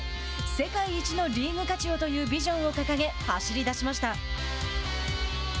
世界一のリーグ価値をというビジョンを掲げ走り出しました。